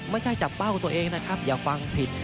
ไม่ใช่จับเป้าตัวเองนะครับอย่าฟังผิด